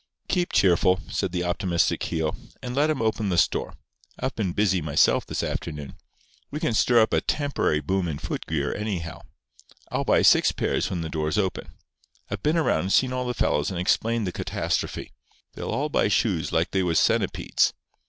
"Keep cheerful," said the optimistic Keogh. "And let 'em open the store. I've been busy myself this afternoon. We can stir up a temporary boom in foot gear anyhow. I'll buy six pairs when the doors open. I've been around and seen all the fellows and explained the catastrophe. They'll all buy shoes like they was centipedes.